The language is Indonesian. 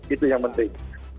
itu yang penting